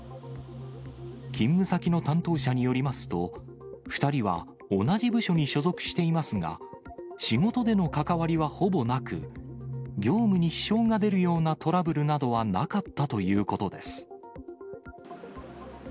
勤務先の担当者によりますと、２人は同じ部署に所属していますが、仕事での関わりはほぼなく、業務に支障が出るようなトラブルなどはなかったということです。